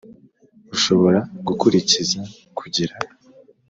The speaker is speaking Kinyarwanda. ushobora gukurikiza kugira